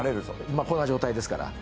まあこんな状態ですからはい。